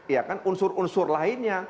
ya kan unsur unsur lainnya